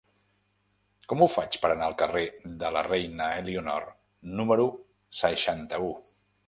Com ho faig per anar al carrer de la Reina Elionor número seixanta-u?